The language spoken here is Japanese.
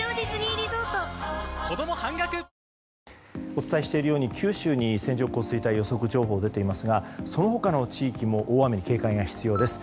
お伝えしているように九州に線状降水帯予測情報が出ていますがその他の地域も大雨に警戒が必要です。